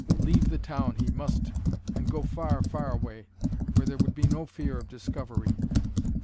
Leave the town he must, and go far, far away, where there would be no fear of discovery.